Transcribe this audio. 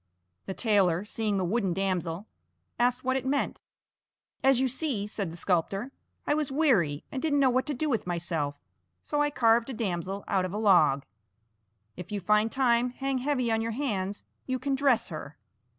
The tailor, seeing the wooden damsel, asked what it meant. 'As you see,' said the sculptor, 'I was weary, and didn't know what to do with myself, so I carved a damsel out of a log; if you find time hang heavy on your hands, you can dress her.'